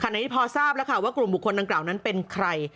นี้พอทราบแล้วค่ะว่ากลุ่มบุคคลดังกล่าวนั้นเป็นใคร